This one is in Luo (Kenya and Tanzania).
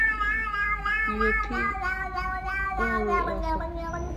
Ywe pi wang'i oko.